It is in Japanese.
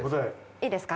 いいですか？